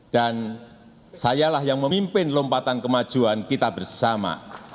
dan sayalah yang memimpin lompatan kemajuan kita bersama